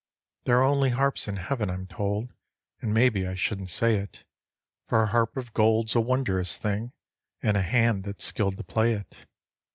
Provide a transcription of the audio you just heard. There are only harps in heaven, I'm told, And maybe I shouldn't say it, For a harp of gold's a wondrous thing In a hand that's skilled to play it.